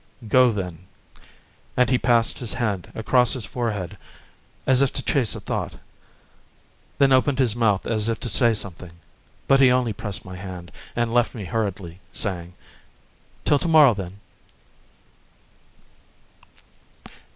"Go, then," and he passed his hand across his forehead as if to chase a thought, then opened his mouth as if to say something; but he only pressed my hand, and left me hurriedly, saying: "Till to morrow, then!"